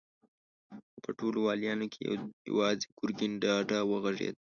خو په ټولو واليانو کې يواځې ګرګين ډاډه وغږېد.